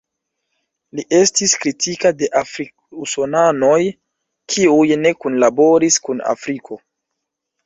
Li estis kritika de afrik-usonanoj kiuj ne kunlaboris kun Afriko.